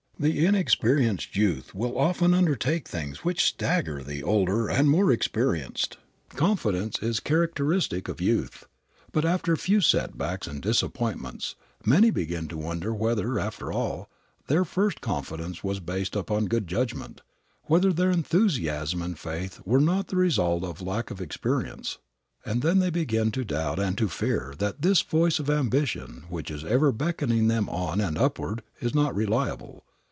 The inexperienced youth will often undertake things which stagger the older and more experienced. Confidence is characteristic of youth; but after a few setbacks and disappointments, many begin to wonder whether, after all, their first confidence was based upon good judgment, whether their enthusiasm and faith were not the result of lack of experience, and then they begin to doubt and to fear that this voice of ambition which is ever beckoning them on and upward is not reliable.